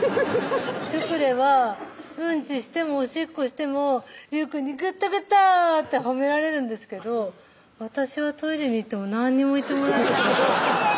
シュクレはうんちしてもおしっこしても隆くんに「グッドグッド」って褒められるんですけど私はトイレに行っても何にも言ってもらえないです